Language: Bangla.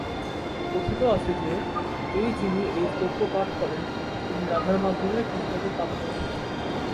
কথিত আছে যে, এই যিনি এই স্তোত্র পাঠ করেন, তিনি রাধার মাধ্যমে কৃষ্ণকে প্রাপ্ত হন।